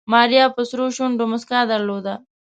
ماريا په سرو شونډو موسکا درلوده.